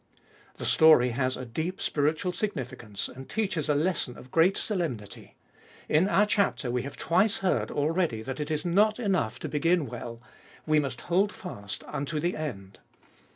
The story has a deep spiritual significance, and teaches a lesson of great solemnity. In our chapter we have twice heard already that it is not enough to begin well ; we must hold fast unto the end.